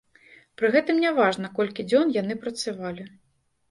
Пры гэтым не важна, колькі дзён яны працавалі.